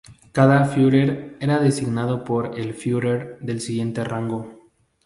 Cada "Führer" era designado por el "Führer" del siguiente rango.